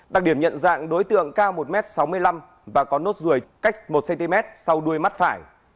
đặc điểm nhận dạng đối tượng cao một m sáu mươi năm và có nốt ruồi cách một cm sau đuôi mắt phải